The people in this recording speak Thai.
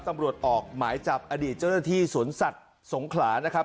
ตำรวจออกหมายจับอดีตเจ้าหน้าที่สวนสัตว์สงขลานะครับ